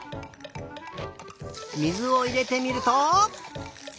水をいれてみると。